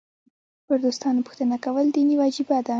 پر دوستانو پوښتنه کول دیني وجیبه ده.